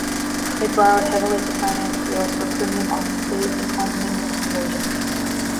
It borrowed heavily to finance deals for premium office space and condominium conversions.